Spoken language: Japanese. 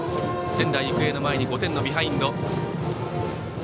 仙台育英の前に５点のビハインド。